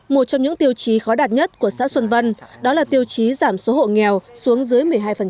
một trong những tiêu chí khó đạt nhất của xã xuân vân đó là tiêu chí giảm số hộ nghèo xuống dưới một mươi hai